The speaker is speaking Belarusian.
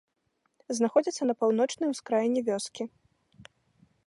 Знаходзіцца на паўночнай ускраіне вёскі.